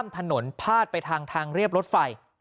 ทนภาษะภาทไปทางทางเรียบรถไฟ